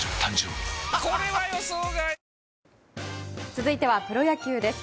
続いてはプロ野球です。